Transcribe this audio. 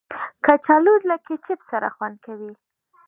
کچالو له کیچپ سره خوند کوي